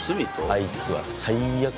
あいつは最悪だよ。